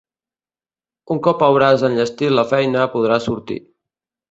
Un cop hauràs enllestit la feina podràs sortir.